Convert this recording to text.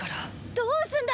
どうすんだ！